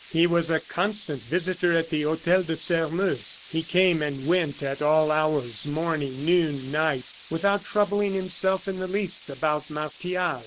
He was a constant visitor at the Hotel de Sairmeuse. He came and went at all hours, morning, noon, and night, without troubling himself in the least about Martial.